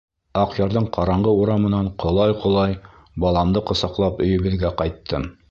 Аҡъярҙың ҡараңғы урамынан ҡолай-ҡолай, баламды ҡосаҡлап өйөбөҙгә ҡайттым.